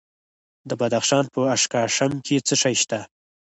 د بدخشان په اشکاشم کې څه شی شته؟